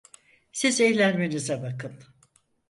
Siz eğlenmenize bakın.